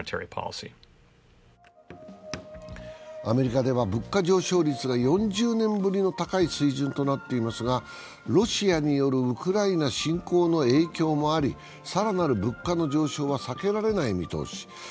アメリカでは物価上昇率が４０年ぶりの高い水準となっていますが、ロシアによるウクライナ侵攻の影響もあり、更なる物価の上昇は避けられない見通し。